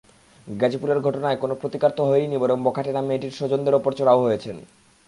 গাজীপুরের ঘটনায় কোনো প্রতিকার তো হয়ইনি, বরং বখাটেরা মেয়েটির স্বজনদের ওপর চড়াও হয়েছেন।